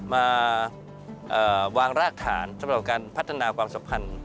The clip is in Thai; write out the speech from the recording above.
มาวางรากฐานสำหรับการพัฒนาความสัมพันธ์